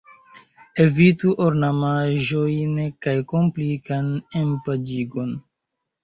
Evitu ornamaĵojn kaj komplikan enpaĝigon.